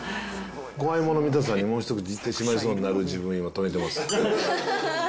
怖いもの見たさに、もう一口いってしまいそうになる自分、今、止めてます。